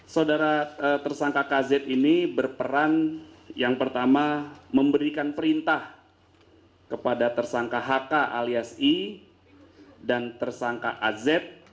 saudara tersangka kz ini berperan yang pertama memberikan perintah kepada tersangka hk alias i dan tersangka az